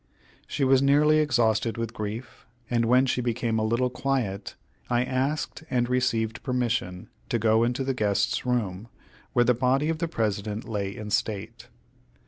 She was nearly exhausted with grief, and when she became a little quiet, I asked and received permission to go into the Guests' Room, where the body of the President lay in state.